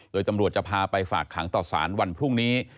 โดยตำรวจจะพาไปฝากขังต่อสารวันพรุ่งนี้